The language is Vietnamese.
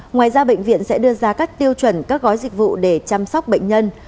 ngoài ra bệnh viện sẽ đưa ra các tiêu chuẩn các gói dịch vụ để chăm sóc bệnh nhân